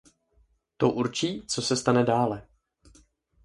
To určí, co se stane dále.